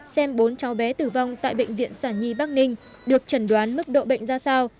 xem bốn cháu bé tử vong tại bệnh viện sản nhi bắc ninh được chẩn đoán mức độ bệnh ra sao